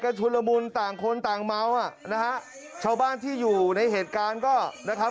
กันชุดละมุนต่างคนต่างเมาส์ชาวบ้านที่อยู่ในเหตุการณ์ก็